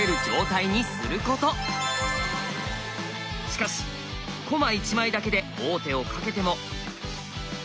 しかし駒１枚だけで王手をかけても。